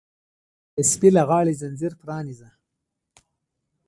د سپي له غاړې ځنځیر پرانیزه!